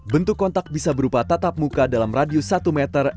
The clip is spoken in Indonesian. bentuk kontak bisa berupa tatap muka dalam radius satu meter